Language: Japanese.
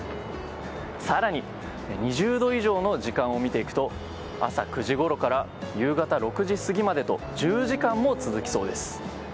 更に、２０度以上の時間を見ていくと朝９時ごろから夕方６時過ぎまでと１０時間も続きそうです。